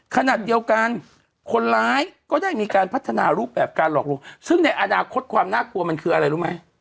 ขณะเดียวกันคนร้ายก็ได้มีการพัฒนารูปแบบการหลอกลวงซึ่งในอนาคตความน่ากลัวมันคืออะไรรู้ไหม